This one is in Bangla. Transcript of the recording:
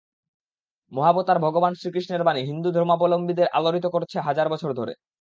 মহাবতার ভগবান শ্রীকৃষ্ণের বাণী হিন্দু ধর্মাবলম্বীদের আলোড়িত করছে হাজার বছর ধরে।